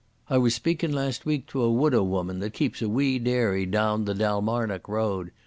I was speakin' last week to a widow woman that keeps a wee dairy down the Dalmarnock Road.